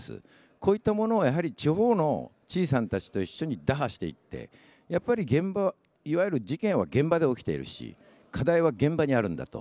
こういったものをやはり地方の知事さんたちと一緒に打破していって、やっぱり現場、いわゆる、事件は現場で起きているし、課題は現場にあるんだと。